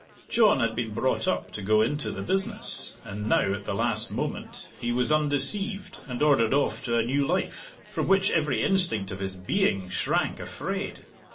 John had been brought up to go into the business, and now, at the last moment, he was undeceived, and ordered off to a new life, from which every instinct of his being shrank afraid.